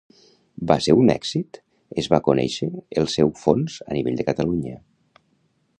Va ser un èxit es va conèixer el seu fons a nivell de Catalunya